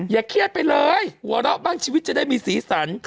อย่าเครียดไปเลยหัวเราะบ้างชีวิตจะได้มีสีสัน